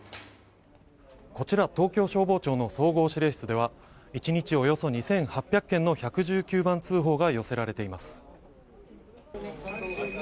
こちら、東京消防庁の総合指令室では１日およそ２８００件の１１９番通報が寄せられています。